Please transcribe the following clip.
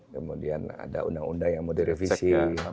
kemudian ada undang undang yang mau direvisi